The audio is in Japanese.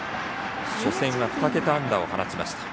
初戦は２桁安打を放ちました。